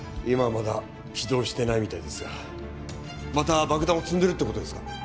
今はまだ起動してないみたいですがまた爆弾を積んでるってことですか